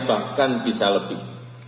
bahkan bisa lebih